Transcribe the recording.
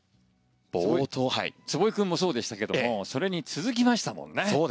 壷井君もそうでしたけどそれに続きましたもんね。